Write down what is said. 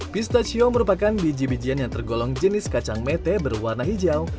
pistachio merupakan biji bijian yang tergolong jenis kacang mete berwarna hijau